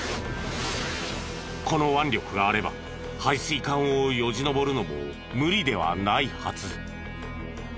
この腕力があれば排水管をよじ登るのも無理ではないはず。